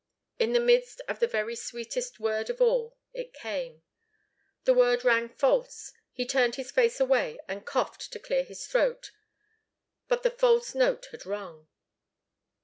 In the midst of the very sweetest word of all, it came the word rang false, he turned his face away and coughed to clear his throat. But the false note had rung.